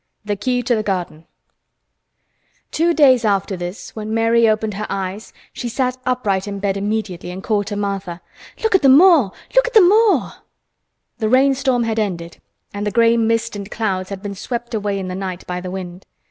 THE KEY TO THE GARDEN Two days after this, when Mary opened her eyes she sat upright in bed immediately, and called to Martha. "Look at the moor! Look at the moor!" The rainstorm had ended and the gray mist and clouds had been swept away in the night by the wind.